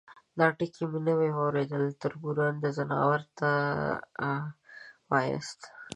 _دا ټکی مې نوی واورېد، تربرونه ، ځناورو ته واياست؟